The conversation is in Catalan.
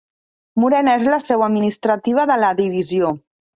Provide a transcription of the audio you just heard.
Morena és la seu administrativa de la divisió.